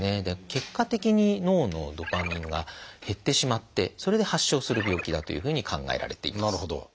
結果的に脳のドパミンが減ってしまってそれで発症する病気だというふうに考えられています。